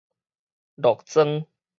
落妝